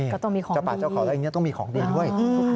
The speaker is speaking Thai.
ก็ต้องมีของดีต้องมีของดีด้วย